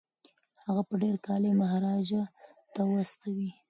هغه به ډیر کالي مهاراجا ته واستوي.